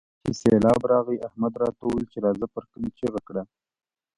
چې سېبلاب راغی؛ احمد راته وويل چې راځه پر کلي چيغه کړه.